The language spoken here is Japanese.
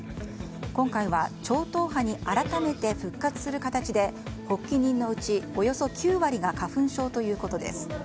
今回は超党派に改めて復活する形で発起人のうち、およそ９割が花粉症ということです。